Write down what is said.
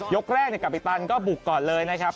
กแรกกาปิตันก็บุกก่อนเลยนะครับ